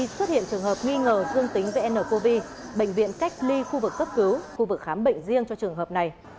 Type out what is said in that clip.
xuất hiện trường hợp nghi ngờ dương tính về ncov bệnh viện cách ly khu vực cấp cứu khu vực khám bệnh riêng cho trường hợp này